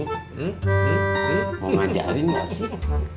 hmm mau ngajarin gak sih